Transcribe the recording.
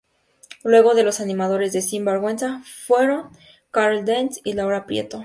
Luego los animadores de Sin vergüenza fueron Karol Dance y Laura Prieto.